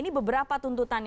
untuk memulai perusahaan ini